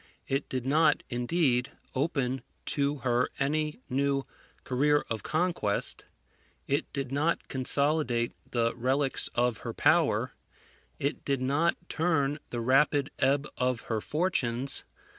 It did not, indeed, open to her any new career of conquest; it did not consolidate the relics of her power; it did not turn the rapid ebb of her fortunes.